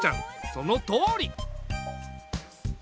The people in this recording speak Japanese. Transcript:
そのとおり！